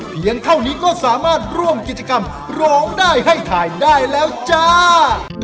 เพียงเท่านี้ก็สามารถร่วมกิจกรรมร้องได้ให้ถ่ายได้แล้วจ้า